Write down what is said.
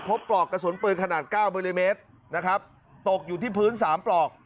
ปลอกกระสุนปืนขนาด๙มิลลิเมตรนะครับตกอยู่ที่พื้นสามปลอก